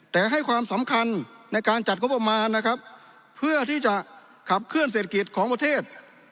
แต่ให้ความสำคัญในการจัดงบประมาณนะครับเพื่อที่จะขับเคลื่อนเศรษฐกิจของประเทศ